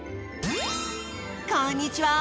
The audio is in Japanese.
こんにちは！